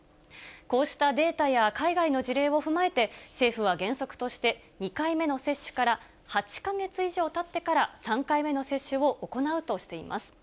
こうしたデータや海外の事例を踏まえて、政府は原則として、２回目の接種から８か月以上たってから３回目の接種を行うとしています。